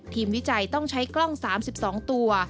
วิจัยต้องใช้กล้อง๓๒ตัว